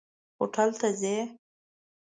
هوټل ته ځئ؟